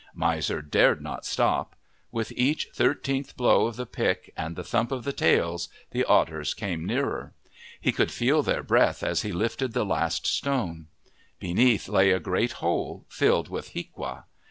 Miser dared not stop. With each thirteenth blow of the pick and the thump of the tails, the otters came nearer. He could feel their breath as he lifted the last stone. Beneath lay a great hole, filled with hiaqua.